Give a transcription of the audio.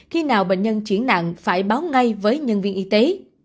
khi nào bệnh nhân chuyển nặng phải báo ngay với nhân viên y tế